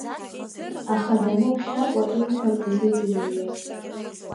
Аха дамыԥхьакәа илҳәо дазыӡырҩуеит.